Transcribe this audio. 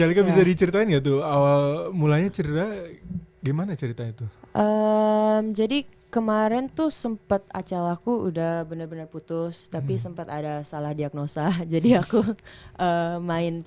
jadi kemarin tuh sempat acara aku udah bener bener putus tapi sempat ada salah diagnosa jadi aku main